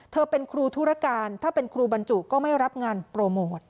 เธอเป็นครูธุรการถ้าเป็นครูบรรจุก็ไม่รับงานโปรโมท